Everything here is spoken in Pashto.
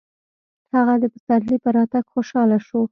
هغه د پسرلي په راتګ خوشحاله و.